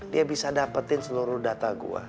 dia bisa dapetin seluruh data gue